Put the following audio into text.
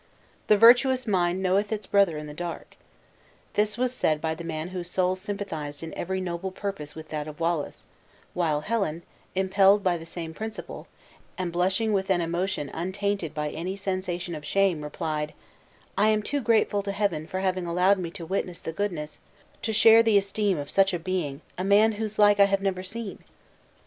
"The virtuous mind knoweth its brother in the dark!" This was said by the man whose soul sympathized in every noble purpose with that of Wallace; while Helen, impelled by the same principle, and blushing with an emotion untainted by any sensation of shame, replied: "I am too grateful to Heaven for having allowed me to witness the goodness, to share the esteem of such a being a man whose like I have never seen."